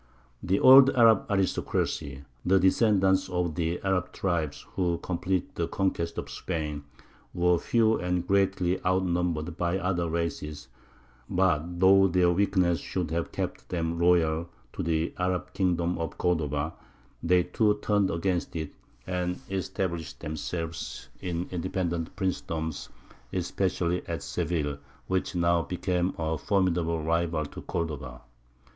The old Arab aristocracy, the descendants of the Arab tribes who completed the conquest of Spain, were few and greatly outnumbered by the other races; but though their weakness should have kept them loyal to the Arab kingdom of Cordova, they too turned against it, and established themselves in independent princedoms, especially at Seville, which now became a formidable rival to Cordova.